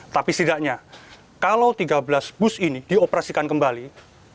tapi setidaknya kalau tiga belas bus ini dioperasikan kembali setidaknya ini memudahkan masyarakat untuk mengaksesnya